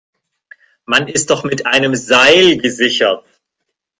Man ist doch mit einem Seil gesichert!